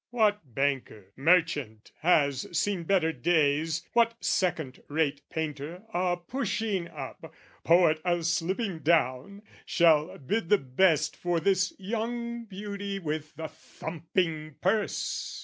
What banker, merchant, has seen better days, What second rate painter a pushing up, Poet a slipping down, shall bid the best For this young beauty with the thumping purse?